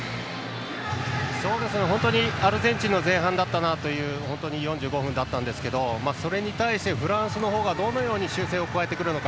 アルゼンチンの前半だったなという４５分だったんですがそれに対して、フランスがどのように修正を加えてくるか。